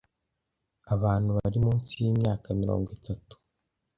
Abantu bari munsi y’imyaka mirongo itatu